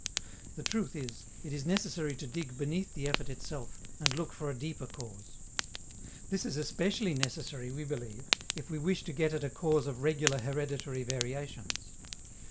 The truth is, it is necessary to dig beneath the effort itself and look for a deeper cause. This is especially necessary, we believe, if we wish to get at a cause of regular hereditary variations.